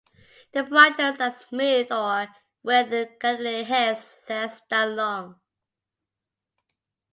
The branches are smooth or with glandular hairs less than long.